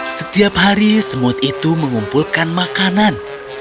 setiap hari semut itu mengumpulkan makanan